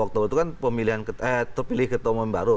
dua puluh oktober itu kan terpilih ketua umum baru